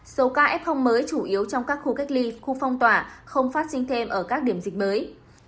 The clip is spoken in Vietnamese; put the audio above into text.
số ca f mới chủ yếu trong các khu cách ly khu phong tỏa không phát sinh thêm ở các điểm dịch mới